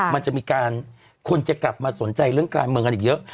มันจะมีการคนจะกลับมาสนใจเรื่องการเมืองกันอีกเยอะ